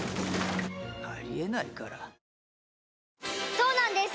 そうなんです